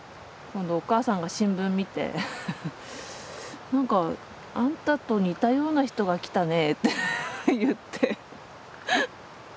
お母さんが新聞見て「なんかあんたと似たような人が来たね」って言って。